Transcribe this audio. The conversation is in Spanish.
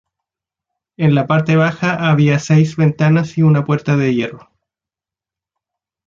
En la parte baja había seis ventanas y una puerta de hierro.